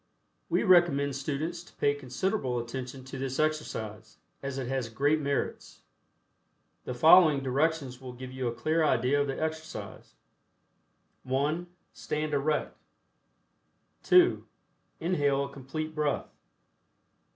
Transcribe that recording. We recommend students to pay considerable attention to this exercise, as it has great merits. The following directions will give you a clear idea of the exercise: (1) Stand erect. (2) Inhale a Complete Breath.